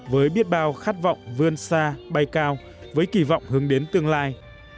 với biết bao khát vọng vươn xa bay cao với kỳ vọng hướng đến tương lai